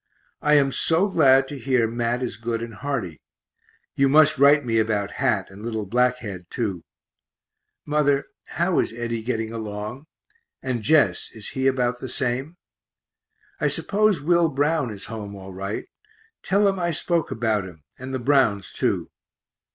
I am so glad to hear Mat is good and hearty you must write me about Hat and little Black Head too. Mother, how is Eddy getting along? and Jess, is he about the same? I suppose Will Brown is home all right; tell him I spoke about him, and the Browns too.